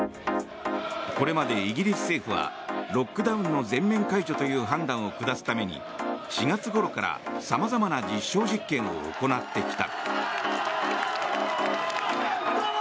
これまでイギリス政府はロックダウンの全面解除という判断を下すために４月ごろから様々な実証実験を行ってきた。